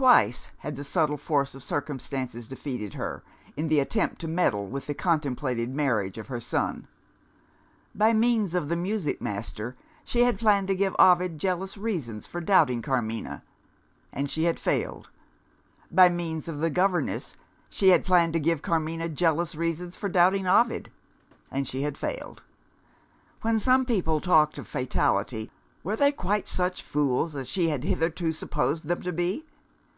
Twice, had the subtle force of circumstances defeated her, in the attempt to meddle with the contemplated marriage of her son. By means of the music master, she had planned to give Ovid jealous reasons for doubting Carmina and she had failed. By means of the governess, she had planned to give Carmina jealous reasons for doubting Ovid and she had failed. When some people talked of Fatality, were they quite such fools as she had hitherto supposed them to be?